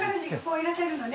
いらっしゃるのね。